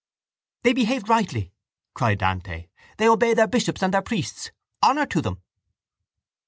—They behaved rightly, cried Dante. They obeyed their bishops and their priests. Honour to them!